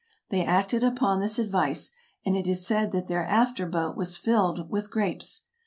'' They acted upon this advice, and it is said that their after boat was filled with grapes.